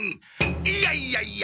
いやいやいや！